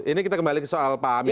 ini kita kembali ke soal pak amin